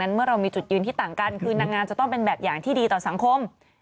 เมื่อเรามีจุดยืนที่ต่างกันคือนางงามจะต้องเป็นแบบอย่างที่ดีต่อสังคม